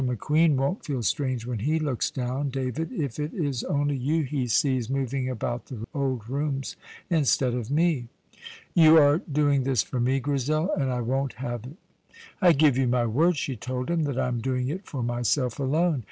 McQueen won't feel strange when he looks down, David, if it is only you he sees moving about the old rooms, instead of me." "You are doing this for me, Grizel, and I won't have it." "I give you my word," she told him, "that I am doing it for myself alone.